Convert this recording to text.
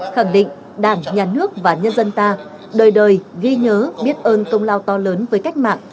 khẳng định đảng nhà nước và nhân dân ta đời đời ghi nhớ biết ơn công lao to lớn với cách mạng